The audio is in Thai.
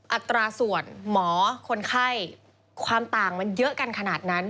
อัตราส่วนหมอคนไข้ความต่างมันเยอะกันขนาดนั้น